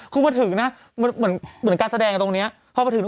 คุณมาถึงน่ะเหมือนเหมือนการแสดงตรงเนี้ยพอมาถึง